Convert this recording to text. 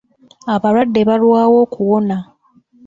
Abalwadde balwawo okuwona.